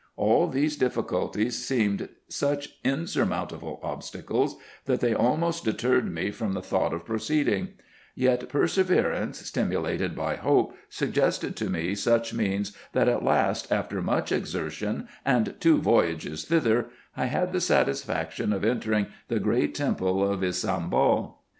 All these difficulties seemed such insurmountable obstacles, that they almost deterred me from the thought of proceeding : yet perseverance, stimulated by hope, suggested to me such means, that at last, after much exertion and two voyages thither, I had the satisfaction of entering the great Temple of Ybsambul.